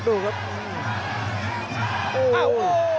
ดูครับ